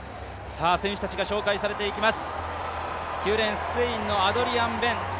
選手たちが紹介されていきます。